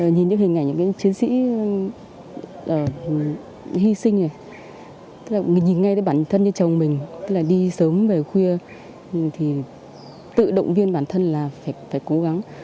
nhìn những hình ảnh những chiến sĩ hy sinh này nhìn ngay đến bản thân như chồng mình đi sớm về khuya thì tự động viên bản thân là phải cố gắng